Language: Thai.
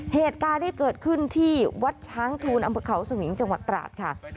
เหตุการณ์ที่เกิดขึ้นที่วัดช้างทูลอำเภอเขาสมิงจังหวัดตราดค่ะ